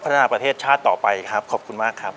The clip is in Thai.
นาประเทศชาติต่อไปครับขอบคุณมากครับ